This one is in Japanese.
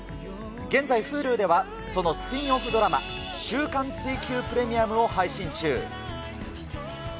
現在、Ｈｕｌｕではそのスピンオフドラマ、週間追求プレミアムを配信中。